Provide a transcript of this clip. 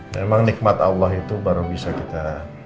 memang nikmat allah itu baru bisa kita